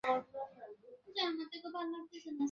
কাহিনী কীভাবে খতম করতে চাও, হাহ?